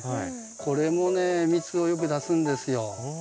これもね蜜をよく出すんですよ。